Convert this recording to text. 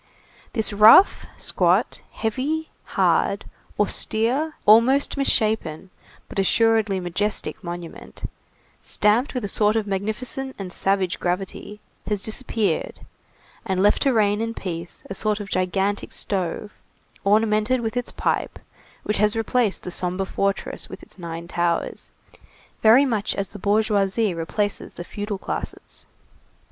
This rough, squat, heavy, hard, austere, almost misshapen, but assuredly majestic monument, stamped with a sort of magnificent and savage gravity, has disappeared, and left to reign in peace, a sort of gigantic stove, ornamented with its pipe, which has replaced the sombre fortress with its nine towers, very much as the bourgeoisie replaces the feudal classes.